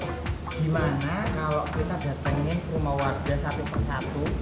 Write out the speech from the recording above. gimana kalau kita datangin rumah warga satu persatu